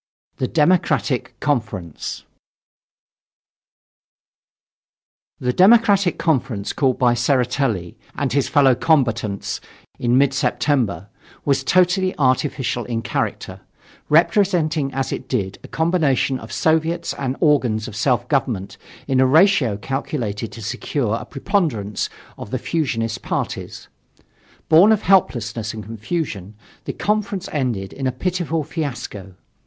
THE DEMOCRATIC CONFERENCE The Democratic Conference, called by Tseretelli and his fellow combatants in mid September, was totally artificial in character, representing as it did a combination of Soviets and organs of self government in a ratio calculated to secure a preponderance of the fusionist parties. Born of helplessness and confusion, the Conference ended in a pitiful fiasco.